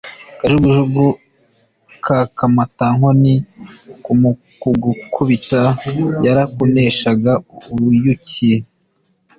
Kajugujugu ka Kamatankoni mu kugukubita yarakuneshaga-Uruyuki.